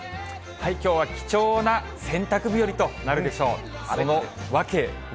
きょうは貴重な洗濯日和となるでしょう。